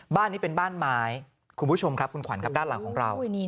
บ้านนี้เป็นบ้านไม้คุณผู้ชมครับคุณขวัญครับด้านหลังของเรา